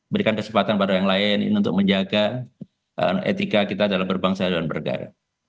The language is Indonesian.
berikan kesempatan pada yang lain untuk menjaga etika kita dalam berbangsa dan bernegara